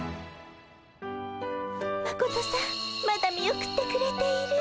マコトさんまだ見送ってくれている。